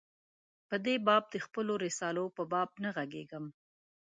په دې باب د خپلو رسالو په باب نه ږغېږم.